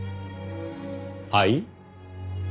はい？